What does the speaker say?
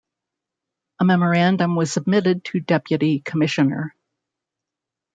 A memorandum was submitted to Deputy Commissioner.